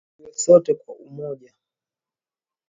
Tuwe sote kwa umoja